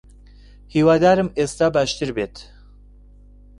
هیوادارم ئێستا باشتر بیت.